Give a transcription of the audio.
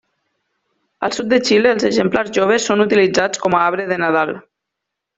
Al sud de Xile els exemplars joves són utilitzats com a arbre de Nadal.